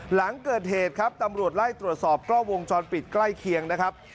หลังเกิดเหตุครับตำรวจไล่ตรวจสอบกล้องวงจรปิดใกล้เคียงนะครับ